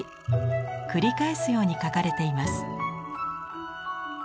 繰り返すように描かれています。